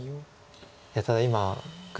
いやただ今黒